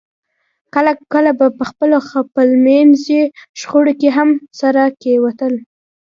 کله کله به په خپلمنځي شخړو کې هم سره کېوتل